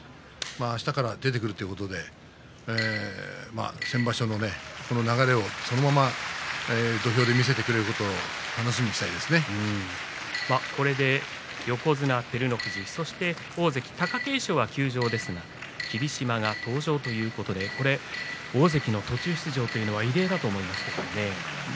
あしたから出てくるということで先場所の流れをそのまま土俵で見せてくれることをこれで横綱照ノ富士そして大関貴景勝は休場ですが霧島が登場ということで大関の途中出場というのは異例だと思いますが。